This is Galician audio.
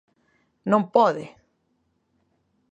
¡Non pode!